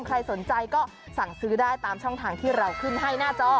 ใครสนใจก็สั่งซื้อได้ตามช่องทางที่เราขึ้นให้หน้าจอ